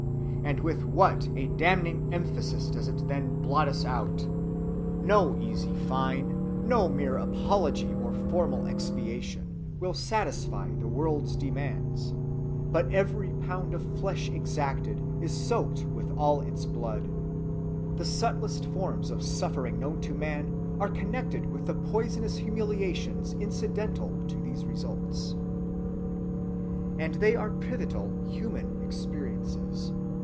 And with what a damning emphasis does it then blot us out! No easy fine, no mere apology or formal expiation, will satisfy the world's demands, but every pound of flesh exacted is soaked with all its blood. The subtlest forms of suffering known to man are connected with the poisonous humiliations incidental to these results. And they are pivotal human experiences.